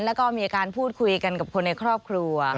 แล้วก็มีการพูดคุยกันกับคนในครอบครัว